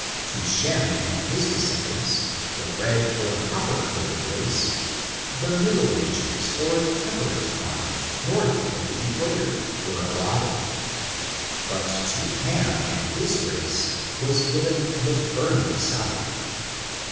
To Shem and his descendants, the red or copper colored race, the middle regions or temperate clime, north of the equator, was allotted. But to Ham and his race was given the burning south.